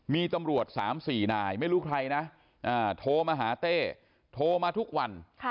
มีตำรวจ๓๔นายไม่รู้ใครนะโทรมาหาเต้โทรมาทุกวัน